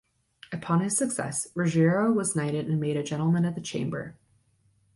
Upon his success, Ruggiero was knighted and made a gentleman of the Chamber.